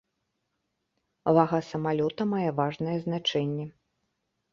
Вага самалёта мае важнае значэнне.